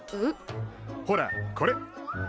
ほらこれ。